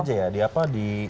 terus di apa ya